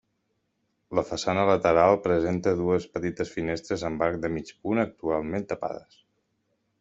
La façana lateral presenta dues petites finestres amb arc de mig punt actualment tapades.